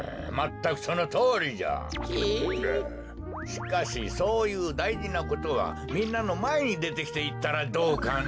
しかしそういうだいじなことはみんなのまえにでてきていったらどうかね？